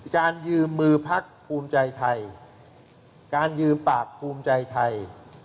การยืมมือพักภูมิใจไทยการยืมปากภูมิใจไทย